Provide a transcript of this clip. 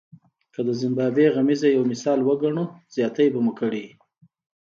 که د زیمبابوې غمیزه یو مثال وګڼو زیاتی به مو کړی وي.